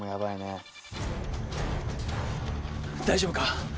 大丈夫か？